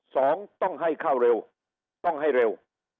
สองต้องให้เข้าเร็วต้องให้เร็ว